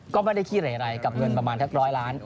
ก็ไม่ได้ขี้ไหลกับเงินประมาณแทบร้อยล้าน